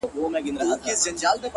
عاجزي د شخصیت ښکلا ده